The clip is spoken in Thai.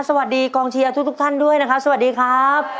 สวัสดีกองเชียร์ทุกทุกท่านด้วยนะครับสวัสดีครับ